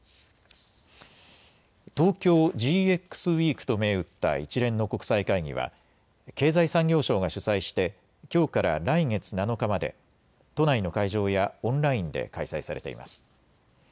ウィークと銘打った一連の国際会議は経済産業省が主催してきょうから来月７日まで都内の会場やオンラインで開催されています。